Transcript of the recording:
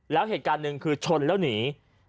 แล้วเหตุการณ์หนึ่งคือชนแล้วหนี